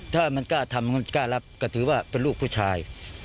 ถ้ามันกล้าทำมันกล้ารับก็ถือว่าเป็นลูกผู้ชาย